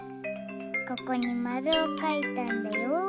ここにまるをかいたんだよ。